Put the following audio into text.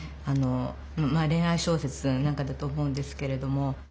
まあれん愛小説なんかだと思うんですけれども。